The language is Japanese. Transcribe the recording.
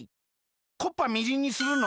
こっぱみじんにするの？